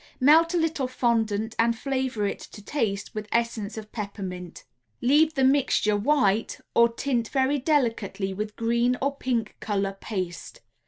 ] Melt a little fondant and flavor it to taste with essence of peppermint; leave the mixture white or tint very delicately with green or pink color paste.